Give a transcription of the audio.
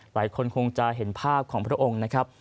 หลายคนคงจะเห็นภาพของพระองค์นะครับ